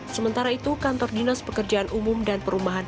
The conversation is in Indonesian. sementara itu kantor dinas pekerjaan umum dan perumahan